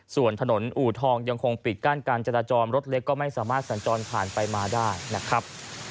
ส่วนถนนอู่ทองยังคงปิดกั้นการจราจรรถเล็กก็ไม่สามารถสัญจรผ่านไปมาได้นะครับ